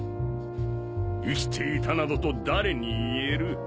生きていたなどと誰に言える？